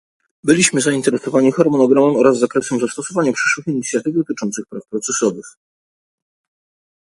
Byliśmy zainteresowani harmonogramem oraz zakresem zastosowania przyszłych inicjatyw dotyczących praw procesowych